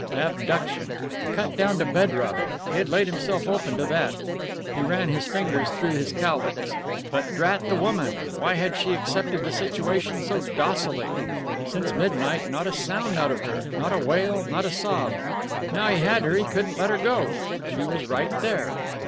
Abduction! Cut down to bedrock, he had laid himself open to that. He ran his fingers through his cowlicks. But drat the woman! why had she accepted the situation so docilely? Since midnight not a sound out of her, not a wail, not a sob. Now he had her, he couldn't let her go. She was right there.